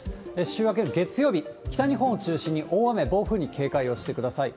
週明けの月曜日、北日本を中心に大雨、暴風に警戒をしてください。